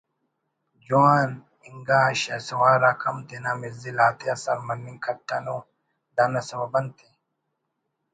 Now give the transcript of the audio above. جوان انگا شہسوار آک ہم تینا مزل آتیا سر مننگ کتنو دانا سوب انت ءِ